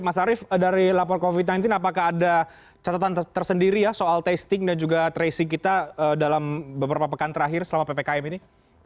mas arief dari lapor covid sembilan belas apakah ada catatan tersendiri ya soal testing dan juga tracing kita dalam beberapa pekan terakhir selama ppkm ini